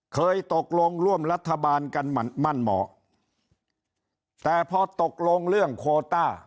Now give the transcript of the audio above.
เคยตกลงร่วมรัฐบาลกันมั่นเหมาะแต่พอตกลงเรื่องโคต้า